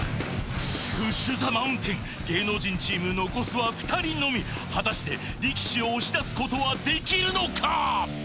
プッシュ・ザ・マウンテン芸能人チーム残すは２人のみ果たして力士を押し出すことはできるのか？